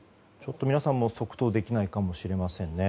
皆さんも即答できないかもしれませんね。